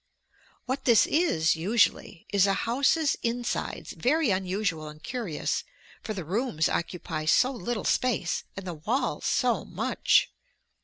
What this is, usually, is a house's insides very unusual and curious, for the rooms occupy so little space and the walls so much.